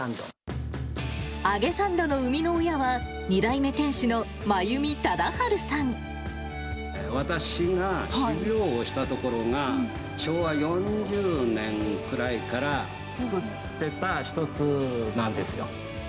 揚げサンドの生みの親は、私が修業をしたところが、昭和４０年くらいから作ってた一つなんですよ。